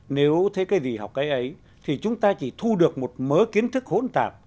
nếu thế cái gì học cái ấy thì chúng ta chỉ thu được một mớ kiến thức hỗn hợp